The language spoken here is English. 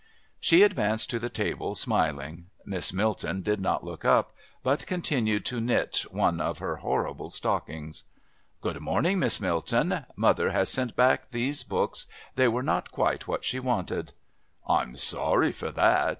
She advanced to the table smiling. Miss Milton did not look up, but continued to knit one of her horrible stockings. "Good morning, Miss Milton. Mother has sent back these books. They were not quite what she wanted." "I'm sorry for that."